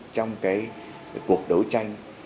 trong cái cuộc đấu tranh